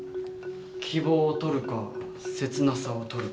希望を取るか切なさを取るか。